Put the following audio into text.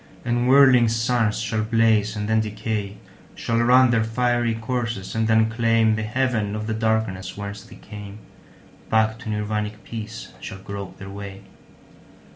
And whirling suns shall blaze and then decay, Shall run their fiery courses and then claimThe haven of the darkness whence they came; Back to Nirvanic peace shall grope their way.